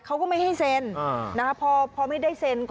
เขาไม่ให้เซนพอไม่เซน